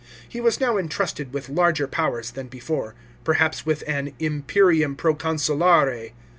He was now entrusted with larger powers than before — perhaps with an imperium proconsulare.